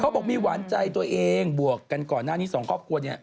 บอกมีหวานใจตัวเองบวกกันก่อนหน้านี้สองครอบครัวเนี่ย